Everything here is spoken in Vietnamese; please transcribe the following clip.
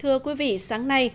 thưa quý vị sáng nay